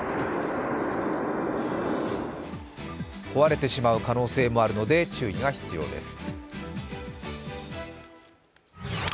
壊れてしまう可能性もあるので注意が必要です。